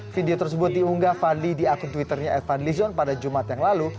video tersebut diunggah fadli di akun twitternya fadli zon pada jumat yang lalu